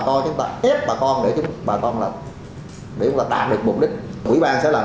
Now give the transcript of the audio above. con chúng ta ép bà con để chúng bà con làm để chúng ta đạt được mục đích quỹ ban sẽ làm